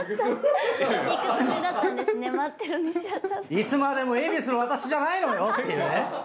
いつまでも恵比寿の私じゃないのよっていうね。